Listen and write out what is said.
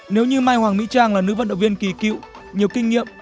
nếu như mai hoàng mỹ trang là nữ vận động viên kỳ cựu nhiều kinh nghiệm